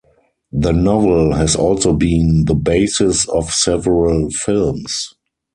The novel has also been the basis of several films.